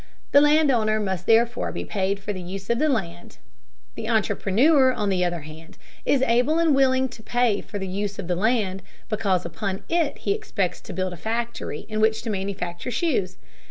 The land owner must therefore be paid for the use of the land. The entrepreneur, on the other hand, is able and willing to pay for the use of the land because upon it he expects to build a factory in which to manufacture shoes.